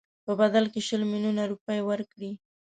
په بدل کې شل میلیونه روپۍ ورکړي.